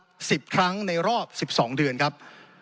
คนเดียวโดนโจมตีพุนครับ๑๐ครั้งในรอบ๑๒เดือนครับ